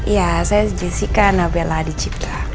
iya saya jessica nabela di cipta